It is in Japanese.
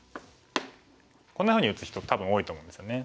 こんなふうに打つ人多分多いと思うんですよね。